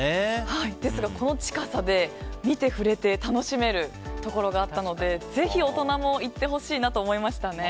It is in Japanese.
ですが、この近さで見て触れて楽しめるところがあったので、ぜひ大人も行ってほしいと思いましたね。